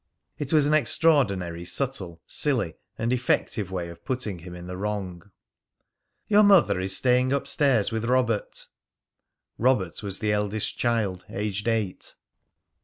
It was an extraordinary subtle, silly, and effective way of putting him in the wrong.) "Your mother is staying up stairs with Robert." Robert was the eldest child, aged eight.